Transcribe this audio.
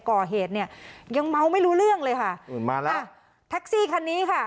ก่อเหตุเนี่ยยังเมาไม่รู้เรื่องเลยค่ะอื่นมาแล้วแท็กซี่คันนี้ค่ะ